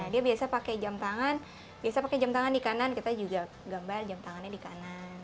dia biasa pakai jam tangan biasa pakai jam tangan di kanan kita juga gambar jam tangannya di kanan